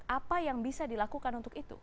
apa yang bisa dilakukan untuk itu